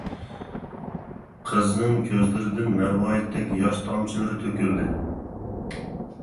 قىزنىڭ كۆزلىرىدىن مەرۋايىتتەك ياش تامچىلىرى تۆكۈلدى.